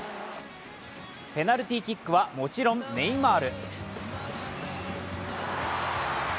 ペナルティーキックは、もちろんネイマール。